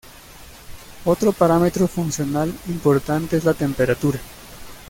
Otro parámetro funcional importante es la temperatura.